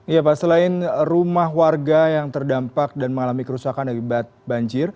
iya pak selain rumah warga yang terdampak dan mengalami kerusakan